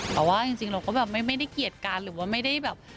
แต่ว่าจริงเราก็แบบไม่ได้เกลียดกันหรือว่าไม่ได้แบบ